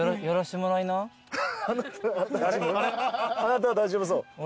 あなたは大丈夫そう？